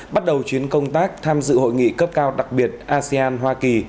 bắt đầu chuyến công tác tham dự hội nghị cấp cao đặc biệt asean hoa kỳ